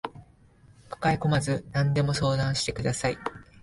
抱えこまず何でも相談してください